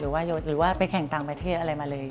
หรือว่าไปแข่งต่างประเทศอะไรมาเลย